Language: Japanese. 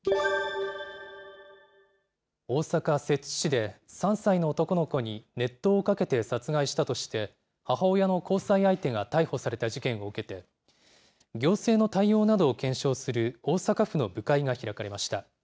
大阪・摂津市で３歳の男の子に熱湯をかけて殺害したとして、母親の交際相手が逮捕された事件を受けて、行政の対応などを検証する大阪府の部会が開かれました。